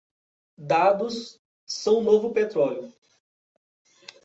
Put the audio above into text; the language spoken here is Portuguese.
Dados são o novo petróleo